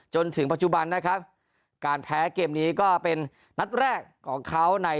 จนถึงปัจจุบันนะครับการแพ้เกมนี้ก็เป็นนัดแรกของเขาใน